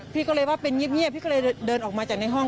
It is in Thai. พี่ก็เลยว่าเป็นเงียบพี่ก็เลยเดินออกมาจากในห้อง